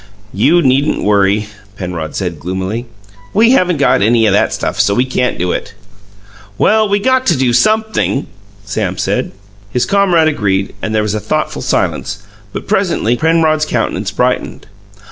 "You needn't worry," Penrod said gloomily. "We haven't got any o' that stuff; so we can't do it." "Well, we got to do sumpthing," Sam said. His comrade agreed, and there was a thoughtful silence; but presently Penrod's countenance brightened.